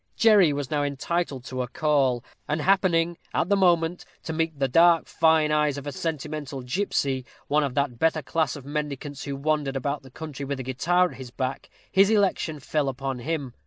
Jerry was now entitled to a call; and happening, at the moment, to meet the fine dark eyes of a sentimental gipsy, one of that better class of mendicants who wandered about the country with a guitar at his back, his election fell upon him.